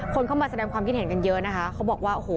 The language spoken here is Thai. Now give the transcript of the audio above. คนเข้ามาแสดงความคิดเห็นกันเยอะนะคะเขาบอกว่าโอ้โห